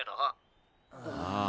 ああ。